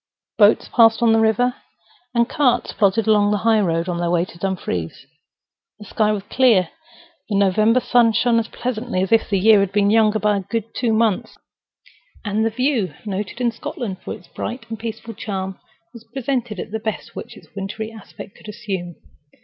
Boats passed on the river, and carts plodded along the high road on their way to Dumfries. The sky was clear; the November sun shone as pleasantly as if the year had been younger by two good months; and the view, noted in Scotland for its bright and peaceful charm, was presented at the best which its wintry aspect could assume.